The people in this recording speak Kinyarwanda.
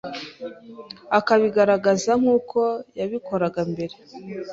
akabigaragaza nkuko yabikoraga mbere